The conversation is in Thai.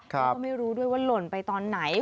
แล้วก็ไม่รู้ด้วยว่าหล่นไปตอนไหน